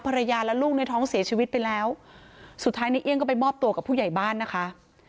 ภรรยาและลูกในท้องเสียชีวิตไปแล้วสุดท้ายในเอี่ยงก็ไปมอบตัวกับผู้ใหญ่บ้านนะคะ